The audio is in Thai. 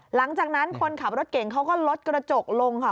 หลังจากนั้นคนขับรถเก่งเขาก็ลดกระจกลงค่ะ